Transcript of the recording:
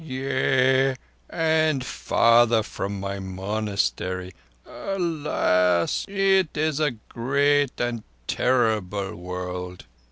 "Yea—and farther from my monastery. Alas! It is a great and terrible world."